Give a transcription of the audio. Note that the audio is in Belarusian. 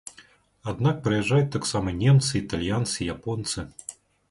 Аднак прыязджаюць таксама немцы, італьянцы, японцы.